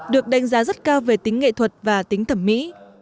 được đánh giá rất cao về tính nghệ thuật và tính thẩm mỹ